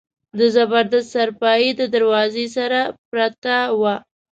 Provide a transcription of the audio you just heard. د زبردست څارپايي د دروازې سره پرته وه.